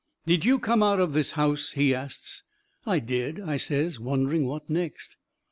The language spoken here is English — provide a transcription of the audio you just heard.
"Did you come out of this house?" he asts. "I did," I says, wondering what next.